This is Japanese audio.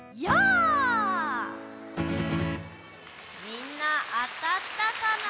みんなあたったかな？